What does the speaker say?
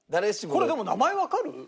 これでも名前わかる？